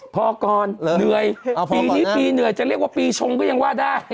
พอก่อนเหนื่อยปีนี้ปีเหนื่อยจะเรียกว่าปีชงก็ยังว่าได้